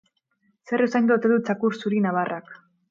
Zer usaindu ote du txakur zuri-nabarrak.